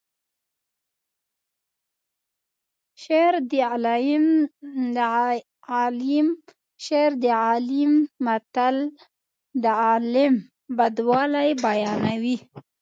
شر د عالیم شر د عالیم متل د عالم بدوالی بیانوي